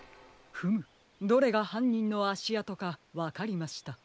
フムどれがはんにんのあしあとかわかりました。